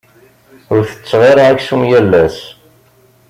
Ur tetteɣ ara aksum yal ass.